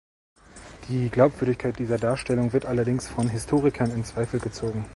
Die Glaubwürdigkeit dieser Darstellung wird allerdings von Historikern in Zweifel gezogen.